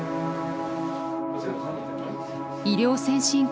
医療先進国